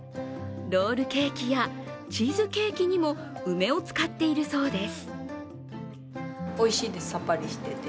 ロールケーキやチーズケーキにも梅を使っているそうです。